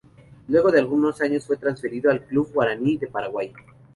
Luego de algunos años fue transferido al club Guaraní de Paraguay.